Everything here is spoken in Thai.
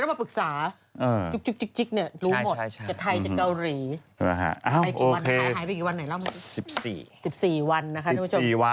สิบสี่วันนะฮะ